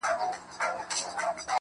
زما د سيمي د ميوند شاعري ~